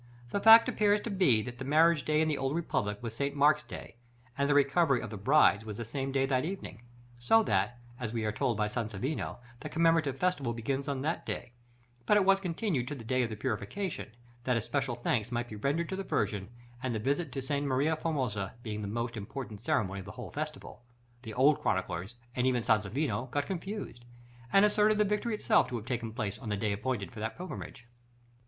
The fact appears to be, that the marriage day in the old republic was St. Mark's day, and the recovery of the brides was the same day at evening; so that, as we are told by Sansovino, the commemorative festival began on that day, but it was continued to the day of the Purification, that especial thanks might be rendered to the Virgin; and, the visit to Sta. Maria Formosa being the most important ceremony of the whole festival, the old chroniclers, and even Sansovino, got confused, and asserted the victory itself to have taken place on the day appointed for that pilgrimage.